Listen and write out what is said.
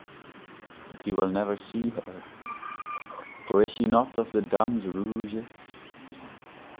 But he will never see her, for is she not of the Dames Rouges!